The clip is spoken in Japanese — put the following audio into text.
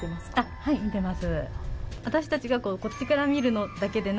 はい見てます。